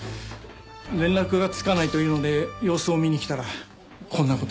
連絡がつかないというので様子を見に来たらこんな事に。